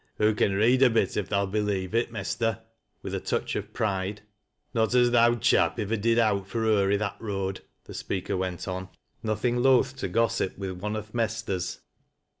Hoo con read s bit, if tha'll believe it, Mester," with a touch of pride "UZ. 15 " Not as th' owd chap ivver did owt fur her i' that road," the speaker went on, nothing loath to gossip with ' one o' th' Mesters.'